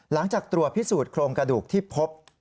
หลังจากตรวจพิสูจนโครงกระดูกที่พบ